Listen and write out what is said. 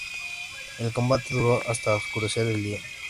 El combate duró hasta oscurecer el día.